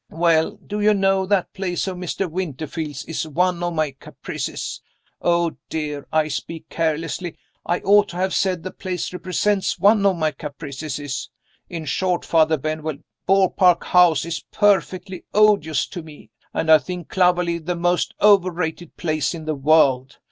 Well, do you know that place of Mr. Winterfield's is one of my caprices? Oh, dear, I speak carelessly; I ought to have said the place represents one of my caprices. In short. Father Benwell, Beaupark House is perfectly odious to me, and I think Clovelly the most overrated place in the world.